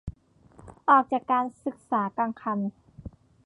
ออกจากการศึกษากลางคัน